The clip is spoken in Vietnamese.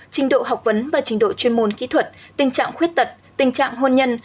trình độ học vấn và trình độ chuyên môn kỹ thuật tình trạng khuyết tật tình trạng hôn nhân